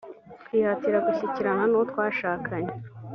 twihatira gushyikirana n uwo twashakanye